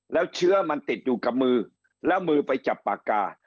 แล้วเชื้อมันติดอยู่กับมือแล้วมือไปจับปากกา